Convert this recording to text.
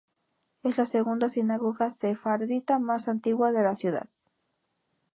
Es la segunda sinagoga sefardita más antigua de la ciudad.